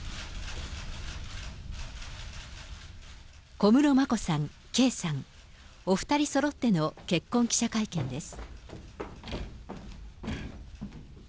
小室眞子さん、圭さん、お２人そろっての結婚記者会見です。